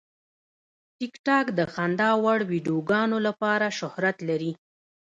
ټیکټاک د خندا وړ ویډیوګانو لپاره شهرت لري.